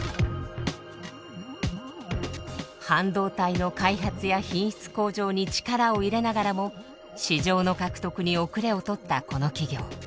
半導体の開発や品質向上に力を入れながらも市場の獲得に後れを取ったこの企業。